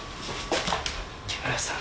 木村さん。